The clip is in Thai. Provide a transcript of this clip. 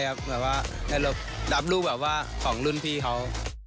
รู้สึกดีใจครับแบบรับรูปอาทิตย์ของรุ่นพี่เขา